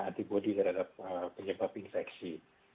antibody terhadap penyebab infeksi